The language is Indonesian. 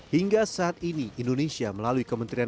hingga saat ini indonesia melalui kementerian